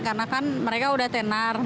karena kan mereka sudah tenar